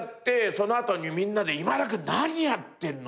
その後にみんなで「今田君何やってんの！」